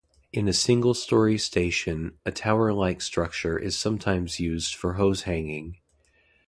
In a single story station, a tower-like structure is sometimes used for hose hanging.